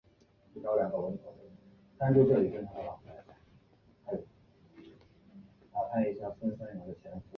非洲的金矿产出金子被运往威尼斯。